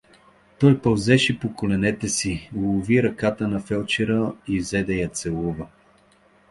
Той пълзеше по коленете си, улови ръката на фелдшера и взе да я целува.